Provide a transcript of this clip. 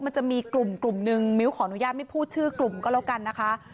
มันจะมีกลุ่มกลุ่มหนึ่งมิ้วขออนุญาตไม่พูดชื่อกลุ่มก็แล้วกันนะคะ